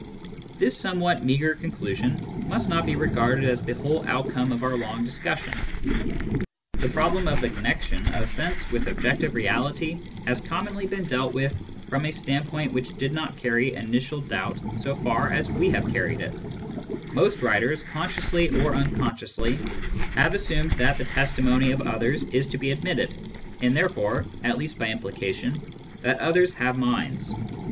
This somewhat meagre conclusion must not be regarded as the whole outcome of our long discussion. The problem of the connection of sense with objective reality has conimonly been dealt with from a standpoint which did not carry initial doubt so far as we have carried it ; most writers, consciously or unconsciously, have assumed that the testimony of others is to be admitted, and there fore (at least by implication) that others have minds.